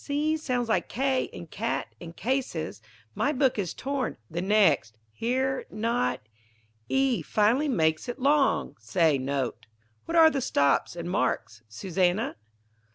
C sounds like K in cat and cases. My book is torn. The next Here not E final makes it long say note. What are the stops and marks, Susannah?